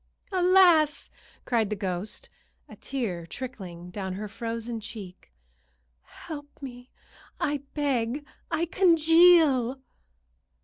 "Alas!" cried the ghost, a tear trickling down her frozen cheek. "Help me, I beg. I congeal!"